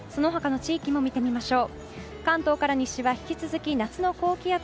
その他の地域も見てみましょう。